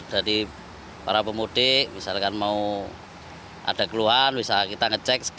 jadi para pemudik misalkan mau ada keluhan bisa kita ngecek